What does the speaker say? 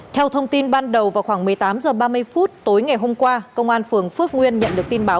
theo thông tin ban đầu vào khoảng một mươi tám h ba mươi phút tối ngày hôm qua công an phường phước nguyên nhận được tin báo